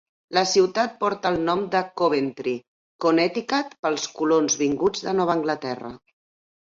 La ciutat porta el nom de Coventry, Connecticut, pels colons vinguts de Nova Anglaterra.